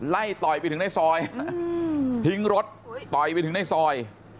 ต่อยไปถึงในซอยทิ้งรถต่อยไปถึงในซอย